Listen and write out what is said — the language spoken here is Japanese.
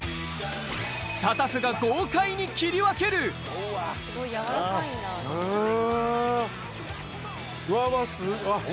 タタフが豪快に切り分けるわぁわぁ。